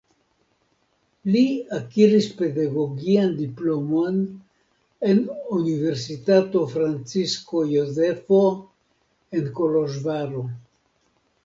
Li akiris pedagogian diplomon en Universitato Francisko Jozefo de Koloĵvaro.